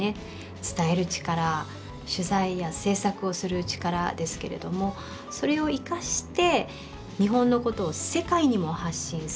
伝える力取材や制作をする力ですけれどもそれを生かして日本のことを世界にも発信する。